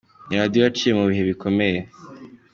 Ni radio yaciye mu bihe bikomeye….